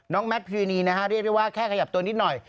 น้องแมทพีโรนีฮะเรียกได้ว่าแค่ขยับตัวนิดหน่อย